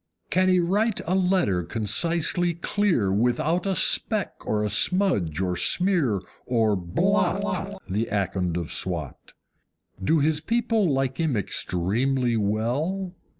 Can he write a letter concisely clear Without a speck or a smudge or smear or BLOT, The Akond of Swat? Do his people like him extremely well?